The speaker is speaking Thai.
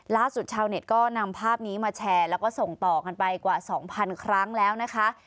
ชาวเน็ตก็นำภาพนี้มาแชร์แล้วก็ส่งต่อกันไปกว่า๒๐๐๐ครั้งแล้วนะคะ